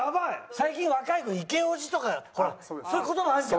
最近若い子イケオジとかそういう言葉あるじゃん。